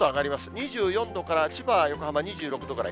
２４度から、千葉、横浜は２６度ぐらい。